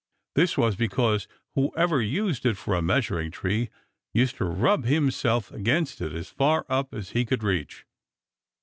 This was because whoever used it for a measuring tree used to rub himself against it as far up as he could reach.